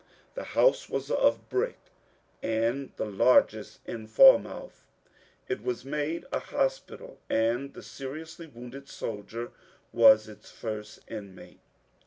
The house was of brick, and the largest in Falmouth ; it was made a hospital, and the seriously wounded soldier was its first in mate.